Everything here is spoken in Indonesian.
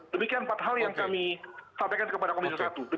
demikian empat hal yang kami sampaikan kepada komisi satu